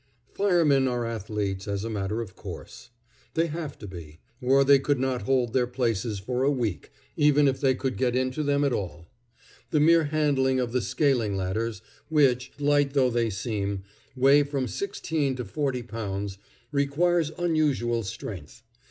Firemen are athletes as a matter of course. They have to be, or they could not hold their places for a week, even if they could get into them at all. The mere handling of the scaling ladders, which, light though they seem, weigh from sixteen to forty pounds, requires unusual strength.